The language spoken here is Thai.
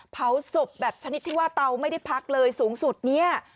เผาศพแบบชนิดที่ว่าเตาไม่ได้พักเลยสูงสุดเนี่ย